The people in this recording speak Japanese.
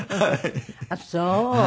あっそう。